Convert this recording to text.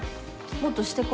もっとしてこ。